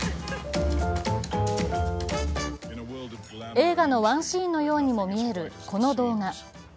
映画のワンシーンのようにも見える、この動画。